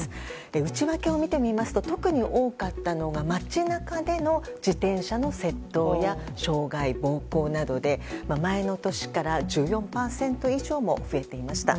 内訳を見てみますと特に多かったのが街中での自転車の窃盗や傷害、暴行などで前の年から１４％以上も増えていました。